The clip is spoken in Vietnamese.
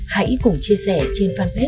hãy cùng chia sẻ trên fanpage